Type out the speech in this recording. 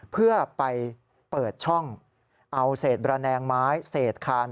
เพื่อไปเปิดช่องเอาเศษระแนงไม้เศษคาน